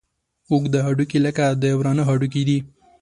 اوږده هډوکي لکه د ورانه هډوکي دي.